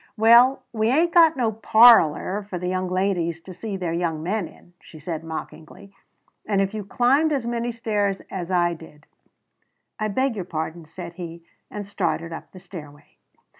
"Well we ain't got no parlor for the young ladies to see their young men in," she said mockingly. "And if you climbed as many stairs as I did " "I beg your pardon," said he, and started up the stairway.